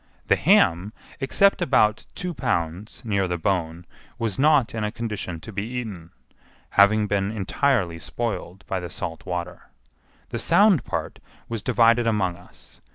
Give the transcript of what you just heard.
The ham, except about two pounds near the bone, was not in a condition to be eaten, having been entirely spoiled by the salt water. The sound part was divided among us.